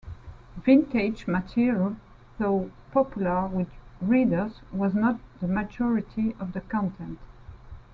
Vintage material, though popular with readers, was not the majority of the content.